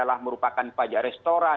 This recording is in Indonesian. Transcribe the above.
sampai ada peluang peluang